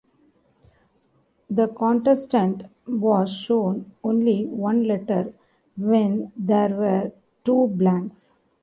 The contestant was shown only one letter when there were two blanks.